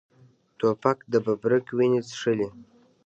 توپک د ببرک وینې څښلي.